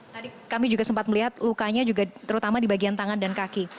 tadi kami juga sempat melihat lukanya juga terutama di bagian tangan dan kaki